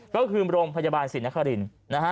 ก็คือมรมพยาบาลศิลป์นักฮารินทร์